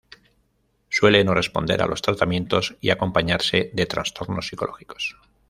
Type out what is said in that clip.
Suele no responder a los tratamientos y acompañarse de trastornos psicológicos.